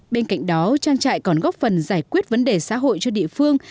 bên cạnh đó trang trại còn góp phần giải quyết vấn đề xã hội cho địa phương